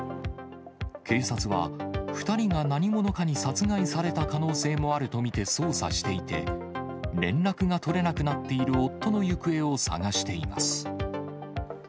警察は、２人が何者かに殺害された可能性もあると見て捜査していて、連絡が取れなくなっている夫の行方を捜しています。